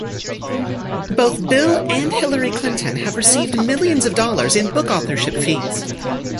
Both Bill and Hillary Clinton have received millions of dollars in book authorship fees.